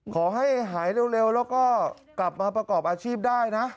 ขอให้หายเร็วแล้วก็กลับมาประกอบอาชีพได้นะ